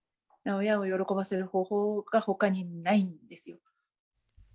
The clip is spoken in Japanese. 親を喜ばせる方法がほかにないんですよ。